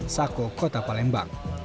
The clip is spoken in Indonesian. saka kota palembang